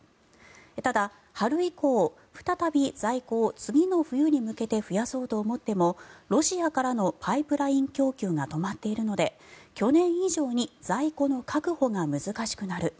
ただ、春以降再び在庫を次の冬に向けて増やそうと思ってもロシアからのパイプライン供給が止まっているので去年以上に在庫の確保が難しくなる。